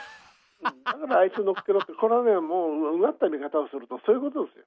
だから「あいつ乗っけろ」ってこれはねもううがった見方をするとそういうことですよ。